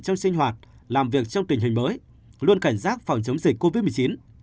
trong sinh hoạt làm việc trong tình hình mới luôn cảnh giác phòng chống dịch covid một mươi chín